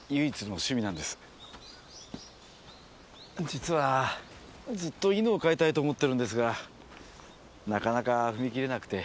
実はずっと犬を飼いたいと思ってるんですがなかなか踏み切れなくて。